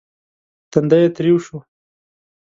تندی يې تريو شو.